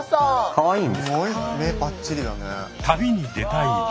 かわいい。